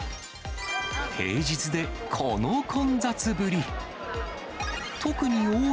平日でこの混雑ぶり。